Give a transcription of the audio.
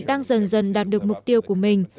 đang dần dần đạt được mục tiêu của mình